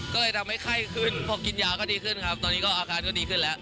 ก็เลยทำให้ไข้ขึ้นพอกินยาก็ดีขึ้นครับตอนนี้ก็อาการก็ดีขึ้นแล้ว